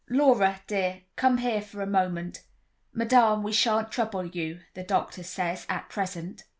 "Laura, dear, come here for a moment. Madame, we shan't trouble you, the doctor says, at present."